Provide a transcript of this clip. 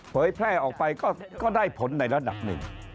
เผยแพร่ออกไปก็ได้ผลในระดับหนึ่ง